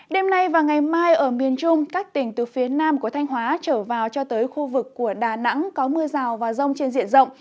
đêm nay và ngày mai ở miền trung các tỉnh từ phía nam của thanh hóa trở vào cho tới khu vực của đà nẵng có mưa rào và rông trên diện rộng